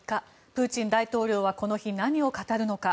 プーチン大統領はこの日、何を語るのか。